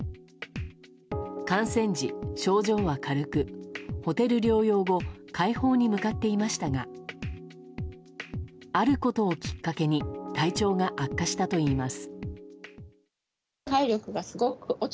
感染時、症状は軽くホテル療養後快方に向かっていましたがあることをきっかけに体調が悪化したといいます。